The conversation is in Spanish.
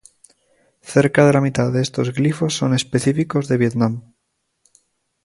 Cerca de la mitad de estos glifos son específicos de Vietnam.